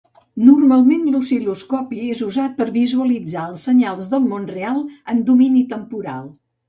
Normalment l'oscil·loscopi és usat per visualitzar els senyals del món real en domini temporal.